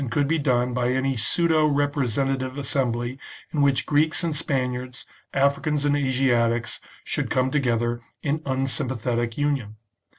XVll could be done by any pseudo representative assembly in which Greeks and Spaniards, Africans and Asiatics should come together in unsympathetic union.